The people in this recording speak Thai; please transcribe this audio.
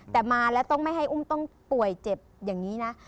แต่มาแล้วต้องไม่ให้อุ้มต้องป่วยเจ็บอย่างนี้นะ